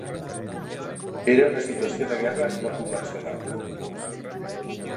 Era una situació de guerra no convencional.